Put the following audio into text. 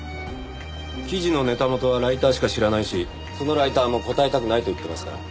記事のネタ元はライターしか知らないしそのライターも答えたくないと言ってますから。